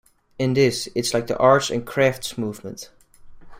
In this it is like the Arts and Crafts Movement.